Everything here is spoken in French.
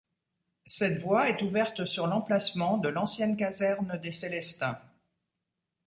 Cette voie est ouverte sur l'emplacement de l'ancienne caserne des Célestins.